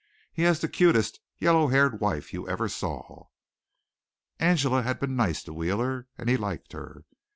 He has the cutest yellow haired wife you ever saw." Angela had been nice to Wheeler and he liked her.